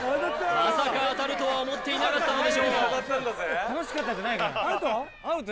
まさか当たるとは思っていなかったのでしょうアウト？